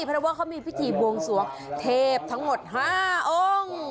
เพราะว่าเขามีพิธีบวงสวงเทพทั้งหมด๕องค์